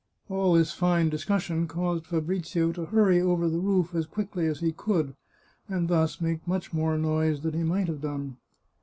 All this fine discussion caused Fabrizio to hurry over the roof as quickly as he could, and thus make much more noise than he might have done.